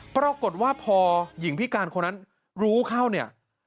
ปรากฏว่าพอหญิงพิการคนนั้นรู้เข้าเนี่ย